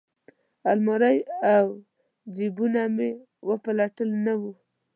المارۍ او جیبونه مې وپلټل نه وه.